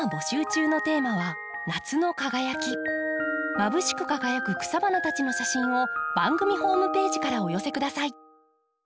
まぶしく輝く草花たちの写真を番組ホームページからお寄せ下さい。